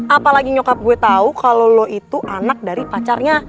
apalagi nyokap gue tahu kalau lo itu anak dari pacarnya